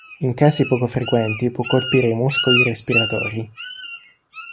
In casi poco frequenti può colpire i muscoli respiratori.